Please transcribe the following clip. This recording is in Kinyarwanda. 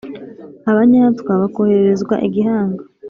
abanyátwá bakohererezwa igihángo